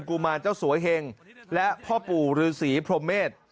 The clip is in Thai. กุมารเจ้าสวยเห็งและพ่อปู่ฤษีพรหมเมษ